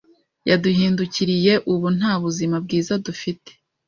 Yaduhindukiriye, ubu nta buzima bwiza dufite